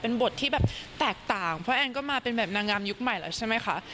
เป็นบทที่แบบแตกต่างเพราะแอนก็มาเป็นแบบนางงามยุคใหม่แล้วใช่ไหมคะ